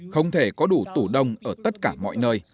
không thể có đủ tủ đông ở tất cả mọi nơi